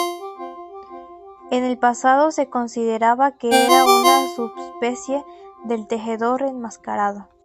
En el pasado se consideraba que era una subespecie del tejedor enmascarado.